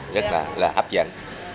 rất là hấp dẫn